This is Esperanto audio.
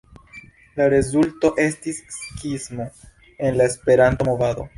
La rezulto estis skismo en la esperanto-movado.